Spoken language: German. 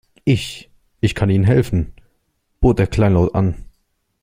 Ich, ich kann Ihnen helfen, bot er kleinlaut an.